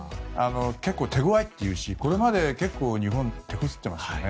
結構、手ごわいというしこれまで日本は手こずっていますよね。